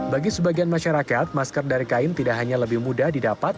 bagi sebagian masyarakat masker dari kain tidak hanya lebih mudah didapat